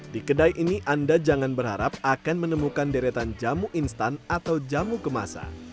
di kedai ini anda jangan berharap akan menemukan deretan jamu instan atau jamu kemasan